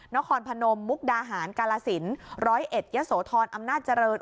นครพนมมุกดาหารกาลสินร้อยเอ็ดยะโสธรอำนาจเจริญ